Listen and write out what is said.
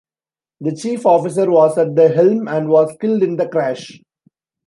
The chief officer was at the helm, and was killed in the crash.